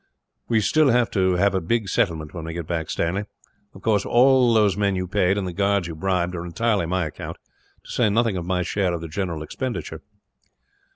"We shall have to have a big settlement, when we get back, Stanley. Of course, all those men you paid, and the guards you bribed, are entirely my account; to say nothing of my share of the general expenditure."